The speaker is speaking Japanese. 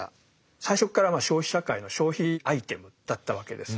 最初っから消費社会の消費アイテムだったわけです。